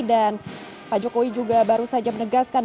dan pak jokowi juga baru saja menegaskan